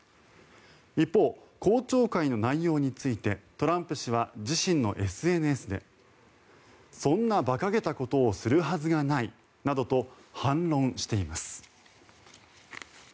一方、公聴会の内容についてトランプ氏は自身のＳＮＳでそんな馬鹿げたことをするはずがないなどと反論しています。